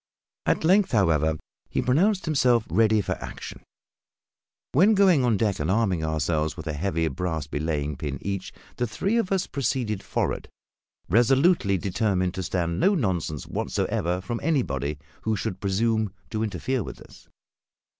At length, however, he pronounced himself ready for action; when, going on deck, and arming ourselves with a heavy brass belaying pin each, the three of us proceeded forward, resolutely determined to stand no nonsense whatever from anybody who should presume to interfere with us.